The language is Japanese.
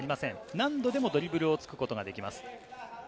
何度でもドリブルをつくことができます。